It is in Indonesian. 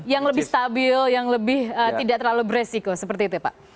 yang lebih stabil yang lebih tidak terlalu beresiko seperti itu pak